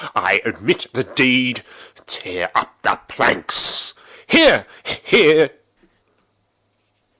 I admit the deed!—tear up the planks!—here, here!